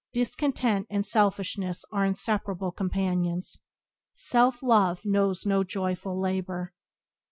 Discontent and Selfishness are inseparable companions. Self love knows no joyful labour.